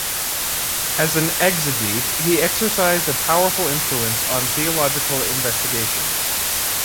As an exegete he exercised a powerful influence on theological investigation.